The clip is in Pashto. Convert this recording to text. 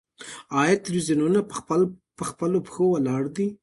آیا تلویزیونونه په خپلو پښو ولاړ دي؟